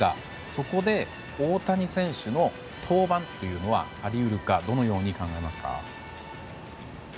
そこで大谷選手の登板はあるかどのように考えますか？